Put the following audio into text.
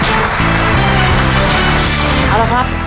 เอาละครับ